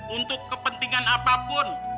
untuk kepentingan apapun